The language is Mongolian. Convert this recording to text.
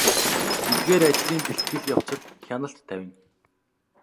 Эдгээр ажлын бэлтгэл явцад хяналт тавина.